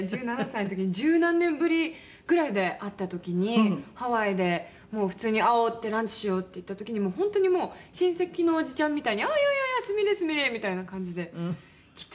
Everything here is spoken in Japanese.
１７歳の時に十何年ぶりぐらいで会った時にハワイで普通に会おうってランチしようっていった時に本当にもう親戚のおじちゃんみたいに「やあやあやあすみれすみれ」みたいな感じで来て。